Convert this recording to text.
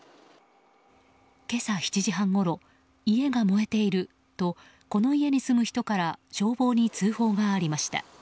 今朝７時半ごろ家が燃えているとこの家に住む人から消防に通報がありました。